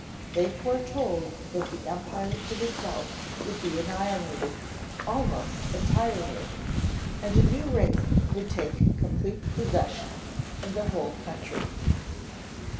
They foretold that the Empire to the south would be annihilated almost entirely and a new race would take complete possession of the whole country."